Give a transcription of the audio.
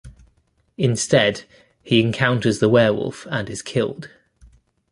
Instead, he encounters the werewolf and is killed.